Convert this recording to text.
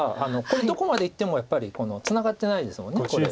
これどこまでいってもやっぱりツナがってないですもんねこれ。